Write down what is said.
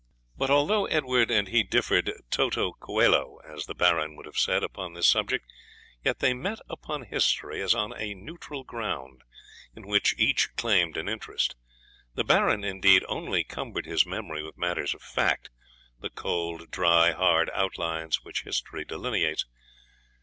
] But although Edward and he differed TOTO COELO, as the Baron would have said, upon this subject, yet they met upon history as on a neutral ground, in which each claimed an interest. The Baron, indeed, only cumbered his memory with matters of fact, the cold, dry, hard outlines which history delineates.